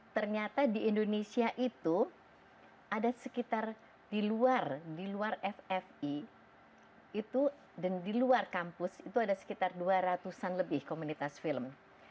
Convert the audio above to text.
ternyata di indonesia itu ada sekitar di luar di luar ffi itu dan di luar kampus itu ada sekitar dua ratus an lebih komunitas film